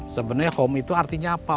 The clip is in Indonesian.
sebenarnya home itu artinya apa